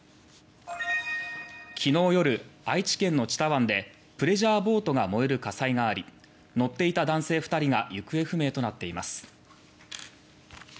きのう夜、愛知県の知多湾でプレジャーボートが燃える火災があり乗っていた男性２人が行方不明となっています。